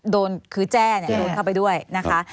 โดนคือแจ้โดนเข้าไปด้วยนะคะ